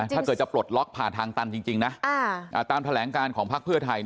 ถ้าเกิดจะปลดล็อกผ่านทางตันจริงนะตามแถลงการของพักเพื่อไทย